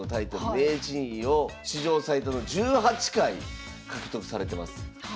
名人位を史上最多の１８回獲得されてます。